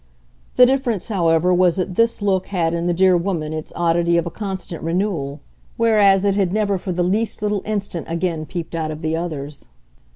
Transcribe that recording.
The difference however was that this look had in the dear woman its oddity of a constant renewal, whereas it had never for the least little instant again peeped out of the others.